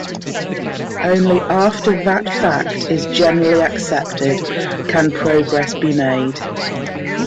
Only after that fact is generally accepted can progress be made.